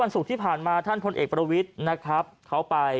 วันสุดที่ผ่านมาท่านคนเอกประวิทย์เข้าไป